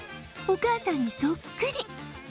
お母さんにそっくり。